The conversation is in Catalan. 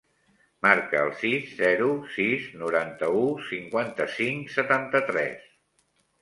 Marca el sis, zero, sis, noranta-u, cinquanta-cinc, setanta-tres.